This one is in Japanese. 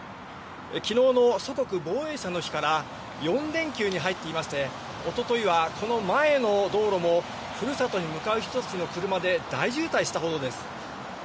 きのうの祖国防衛者の日から４連休に入っていまして、おとといはこの前の道路も、ふるさとに向かう人たちの車で大渋滞したほどです。